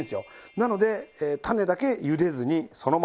なので種だけゆでずにそのまま入れます。